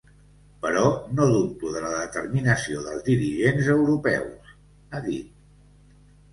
Però no dubto de la determinació dels dirigents europeus, ha dit.